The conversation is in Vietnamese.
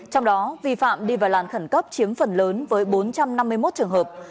trong đó vi phạm đi vào làn khẩn cấp chiếm phần lớn với bốn trăm năm mươi một trường hợp